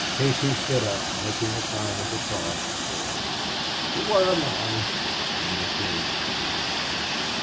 Casey stood up, making a sign of the cross before him. "He wor a man!" Then they filled the grave.